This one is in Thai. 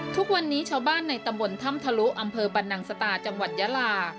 ทุกวันนี้ชาวบ้านในตำบลถ้ำทะลุอำเภอบรรนังสตาจังหวัดยาลา